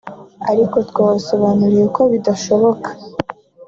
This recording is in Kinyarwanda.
ariko twabasobanuriye ko bidashoboka